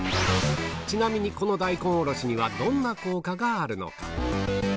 ちなみにこの大根おろしにはどんな効果があるのか。